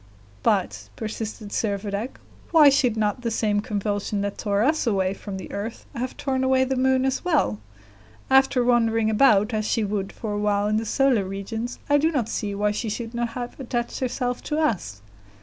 "But," persisted Servadac, "why should not the same convulsion that tore us away from the earth have torn away the moon as well? After wandering about as she would for a while in the solar regions, I do not see why she should not have attached herself to us."